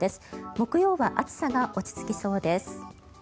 木曜は暑さが落ち着きそうです。